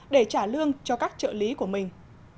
để trả lương cho các trợ lý của mình